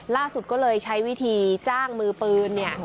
ล่าสุดก็เลยใช้วิธีจ้างมือปืนเนี่ย